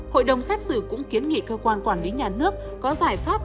hội đồng xét xử cũng kiến nghị cơ quan quản lý nhà nước có giải pháp